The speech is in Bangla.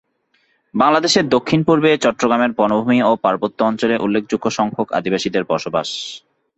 বাংলাদেশের দক্ষিণ-পূর্বে চট্টগ্রামের বনভূমি ও পার্বত্য অঞ্চলে উল্লেখযোগ্য সংখ্যক আদিবাসীদের বসবাস।